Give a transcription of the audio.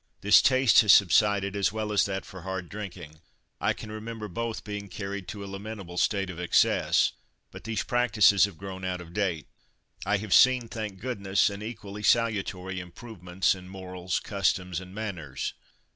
This taste has subsided, as well as that for hard drinking. I can remember both being carried to a lamentable state of excess; but these practices have grown out of date. I have seen, thank goodness, other equally salutary improvements in morals, customs, and manners.